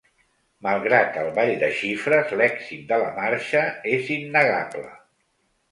Malgrat el ball de xifres, l’èxit de la marxa és innegable.